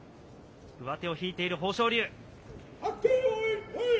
上手を引いている豊昇龍。